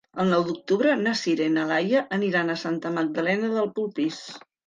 El nou d'octubre na Sira i na Laia aniran a Santa Magdalena de Polpís.